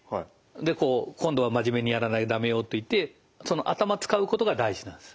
でこう今度は真面目にやらないと駄目よといってその頭使うことが大事なんです。